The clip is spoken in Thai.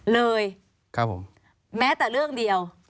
เลยครับผมแม้แต่เรื่องเดียว